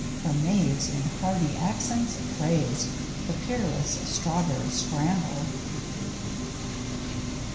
Her maids in hearty accents praised The peerless Strawberry Scramble.